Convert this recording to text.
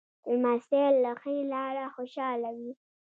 لمسی له ښې لاره خوشحاله وي.